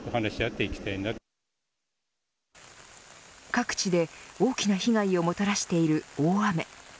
各地で大きな被害をもたらしている大雨。